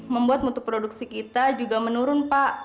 membuat mutu produksi kita juga menurun pak